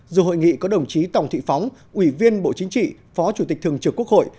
dù hội nghị có đồng chí tòng thị phóng ủy viên bộ chính trị phó chủ tịch thường trực quốc hội